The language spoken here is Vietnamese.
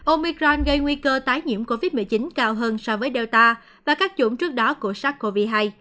omicron gây nguy cơ tái nhiễm covid một mươi chín cao hơn so với delta và các chủng trước đó của sars cov hai